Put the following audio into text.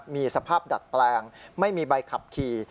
มีสภาพดัดแปลงไม่มีใบขับขี่